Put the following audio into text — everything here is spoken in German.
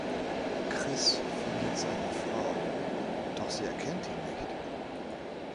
Chris findet seine Frau, doch sie erkennt ihn nicht.